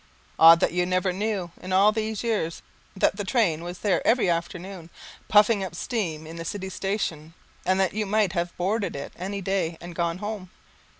Odd that you never knew, in all these years, that the train was there every afternoon, puffing up steam in the city station, and that you might have boarded it any day and gone home.